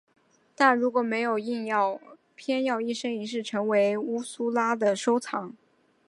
但如果没有便要一生一世成为乌苏拉的收藏。